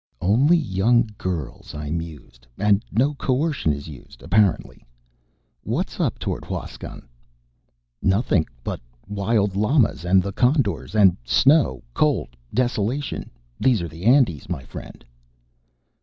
"Only young girls," I mused. "And no coercion is used, apparently. What's up toward Huascan?" "Nothing but wild llamas and the condors. And snow, cold, desolation. These are the Andes, my friend."